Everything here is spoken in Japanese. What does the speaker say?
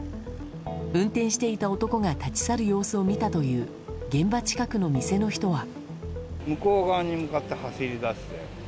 運転していた男が立ち去る様子を見たという現場近くの店の人は。